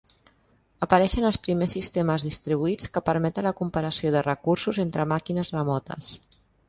Apareixen els primers sistemes distribuïts que permeten la compartició de recursos entre màquines remotes.